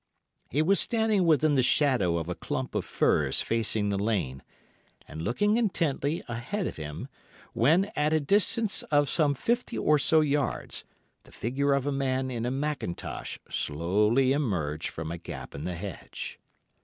He was standing within the shadow of a clump of firs facing the lane, and looking intently ahead of him, when, at a distance of some fifty or so yards, the figure of a man in a mackintosh slowly emerged from a gap in the hedge.